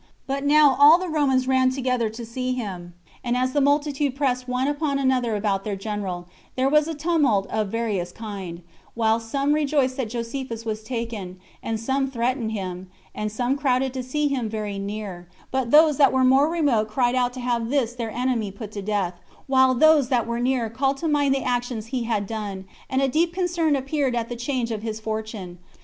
But now all the Romans ran together to see him; and as the multitude pressed one upon another about their general, there was a tumult of a various kind; while some rejoiced that Josephus was taken, and some threatened him, and some crowded to see him very near; but those that were more remote cried out to have this their enemy put to death, while those that were near called to mind the actions he had done, and a deep concern appeared at the change of his fortune.